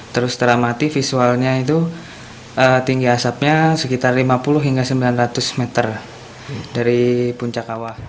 terus teramati visualnya itu tinggi asapnya sekitar lima puluh hingga sembilan ratus meter dari puncak awa